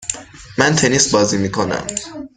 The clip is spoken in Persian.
من تنیس بازی میکنم.